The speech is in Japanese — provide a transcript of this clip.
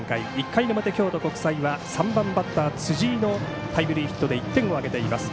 １回の表、京都国際は３番バッター、辻井のタイムリーヒットで１点を挙げています。